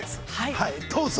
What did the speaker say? はい、どうぞ。